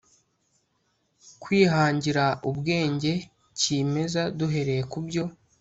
kwihangira ubwenge kimeza duhereye ku byo